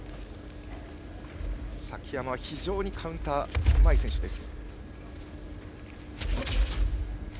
崎山は非常にカウンターのうまい選手です。